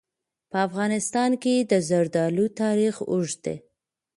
په افغانستان کې د زردالو تاریخ اوږد دی.